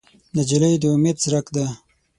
نجلۍ د امید څرک ده.